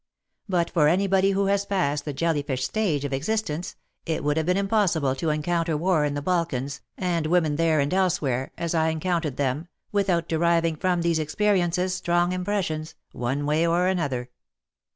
But for anybody who has passed the jelly fish stage of existence it would have been PROEM XV Impossible to encounter war In the Balkans, and women there and elsewhere, as I encount ered them, without deriving from these experi ences strong impressions — one way or another.